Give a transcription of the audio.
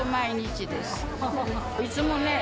いつもね